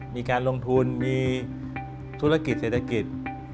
มีการลงทุนมีธุรกิจเศรษฐกิจ